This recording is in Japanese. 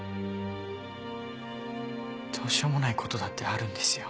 どうしようもないことだってあるんですよ。